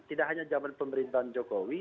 tidak hanya zaman pemerintahan jokowi